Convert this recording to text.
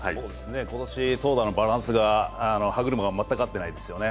今年、投打のバランスが全く合ってないですよね。